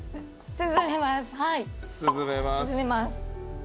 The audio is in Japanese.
進めます。